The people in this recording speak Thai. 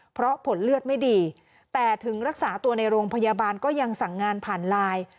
เพราะผลเลือดไม่ดีแต่ถึงรักษาตัวในโรงพยาบาลก็ยังสั่งงานผ่านไลน์